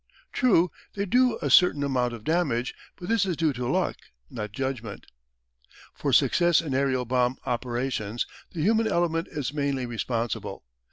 True, they do a certain amount of damage, but this is due to luck, not judgment. For success in aerial bomb operations the human element is mainly responsible.